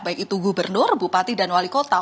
baik itu gubernur bupati dan wali kota